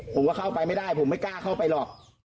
ผมก็เข้าไปไม่ได้ผมไม่กล้าเข้าไปหรอก